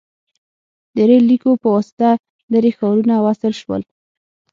• د ریل لیکو په واسطه لرې ښارونه وصل شول.